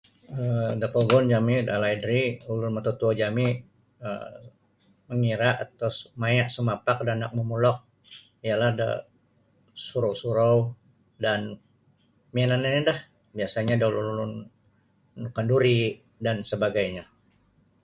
um do pogun jami da laid rih ulun da totuo jami um mangira atau maya sumapak da anak momulok miyanan da surou-surou dan miyanan-miyanan da biasanya da ulun-ulun ulun kanduri dan sabagainya.